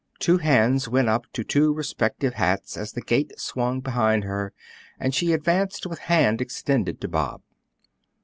Two hands went up to two respective hats as the gate swung behind her, and she advanced with hand extended to Bob.